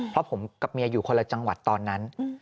เพราะผมกับเมียอยู่คนละจังหวัดตอนนั้น